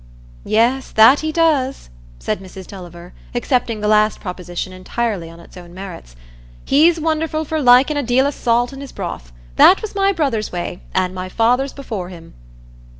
"Yes, that he does," said Mrs Tulliver, accepting the last proposition entirely on its own merits; "he's wonderful for liking a deal o' salt in his broth. That was my brother's way, and my father's before him."